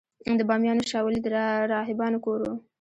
د بامیانو شاولې د راهبانو کور و